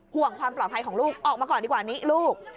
ห่วงความปลอดภัยของลูกออกมาก่อนดีกว่านี้ลูก